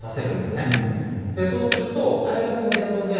そうすると。